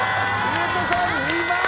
上戸さん２番！